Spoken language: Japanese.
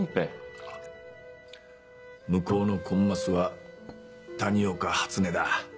向こうのコンマスは谷岡初音だ。